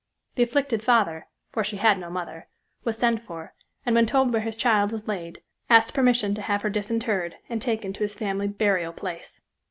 The afflicted father (for she had no mother) was sent for, and when told where his child was laid, asked permission to have her disinterred and taken to his family burial place.